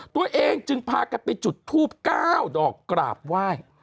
ตัวเองจึงพากระติจุดทูบเก้าดอกกราบไหว้